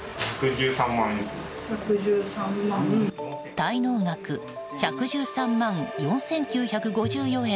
滞納額１１３万４９５４円